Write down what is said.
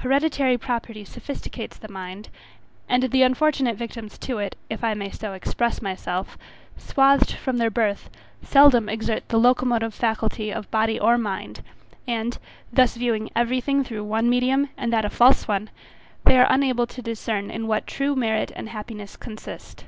Hereditary property sophisticates the mind, and the unfortunate victims to it, if I may so express myself, swathed from their birth, seldom exert the locomotive faculty of body or mind; and, thus viewing every thing through one medium, and that a false one, they are unable to discern in what true merit and happiness consist.